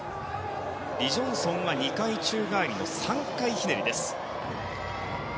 リ・ジョンソンは２回宙返り３回ひねりです。